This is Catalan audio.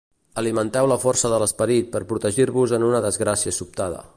Alimenteu la força de l'esperit per protegir-vos en una desgràcia sobtada.